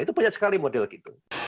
itu punya sekali model gitu